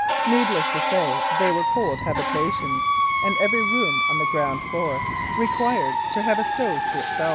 Needless to say, they were cold habitations, and every room on the ground floor required to have a stove to itself.